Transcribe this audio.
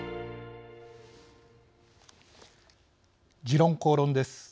「時論公論」です。